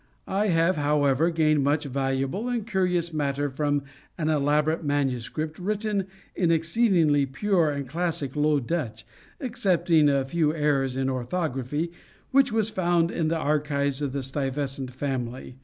I have, however, gained much valuable and curious matter from an elaborate manuscript, written in exceeding pure and classic low Dutch, excepting a few errors in orthography, which was found in the archives of the Stuyvesant family.